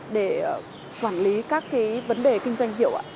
để quản lý các cái vấn đề kinh doanh rượu